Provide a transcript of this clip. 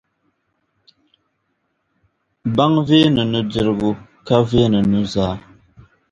Baŋa veeni nudirigu ka veeni nuzaa.